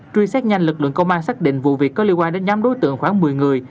truy xét nhanh lực lượng công an xác định vụ việc có liên quan đến nhóm đối tượng khoảng một mươi người